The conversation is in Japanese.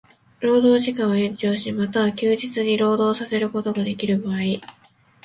労働時間を延長し、又は休日に労働させることができる場合